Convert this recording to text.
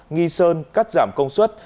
nghi sơn cắt giảm công suất